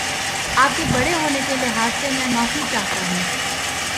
آپ کے بڑے ہونے کے لحاظ سے میں معافی چاہتا ہوں